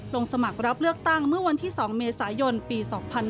สมัครรับเลือกตั้งเมื่อวันที่๒เมษายนปี๒๕๕๙